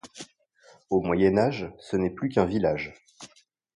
Au Moyen Âge, ce n'est plus qu'un village.